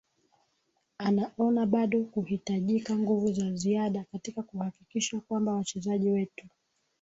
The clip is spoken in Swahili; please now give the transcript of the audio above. anaona bado kuhitajika nguvu za ziada katika kuhakikisha kwamba wachezaji wetu